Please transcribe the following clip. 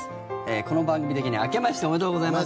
この番組的に明けましておめでとうございます。